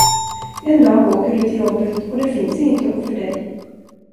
En dag åker du till jobbet och det finns inget jobb för dig.